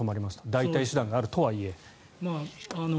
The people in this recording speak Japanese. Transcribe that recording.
代替手段があるとはいえ。